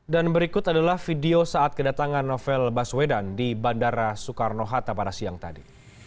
dan berikut adalah video saat kedatangan novel baswedan di bandara soekarno hatta pada siang tadi